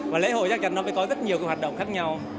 và lễ hội chắc chắn nó phải có rất nhiều hoạt động khác nhau